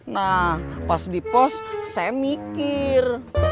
nah pas di pos saya mikir